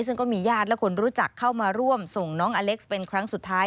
ซึ่งก็มีญาติและคนรู้จักเข้ามาร่วมส่งน้องอเล็กซ์เป็นครั้งสุดท้าย